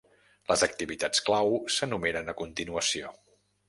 Les activitats clau s'enumeren a continuació.